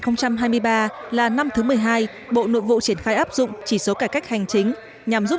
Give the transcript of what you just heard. năm hai nghìn hai mươi ba là năm thứ một mươi hai bộ nội vụ triển khai áp dụng chỉ số cải cách hành chính nhằm giúp